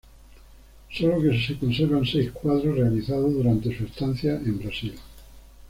Sólo se conservan seis cuadros realizados durante su estancia en Brasil.